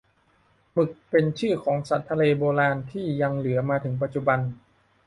หมึก เป็นชื่อของสัตว์ทะเลโบราณ ที่ยังเหลือมาถึงปัจจุบัน